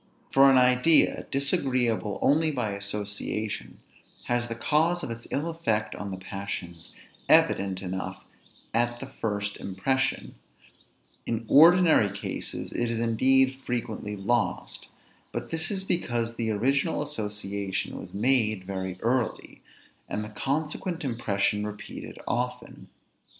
For an idea, disagreeable only by association, has the cause of its ill effect on the passions evident enough at the first impression; in ordinary cases, it is indeed frequently lost; but this is because the original association was made very early, and the consequent impression repeated often.